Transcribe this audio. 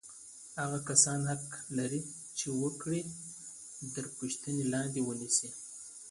هغه کسان حق لري چې وګړي تر پوښتنې لاندې ونیسي.